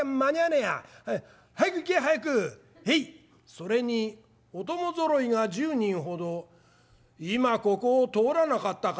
「それにお供ぞろいが１０人ほど今ここを通らなかったか？」。